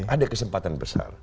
ada kesempatan besar